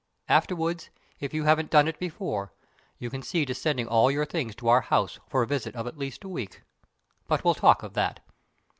Afterward, if you haven't done it before, you can see to sending all your things to our house for a visit of at least a week. But we'll talk of that!